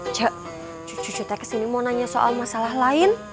cucu cucu tarik kesini mau nanya soal masalah lain